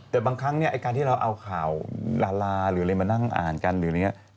แต่บางครั้งเนี่ยไอ้การที่เราเอาข่าวดาราหรืออะไรมานั่งอ่านกันหรืออะไรอย่างนี้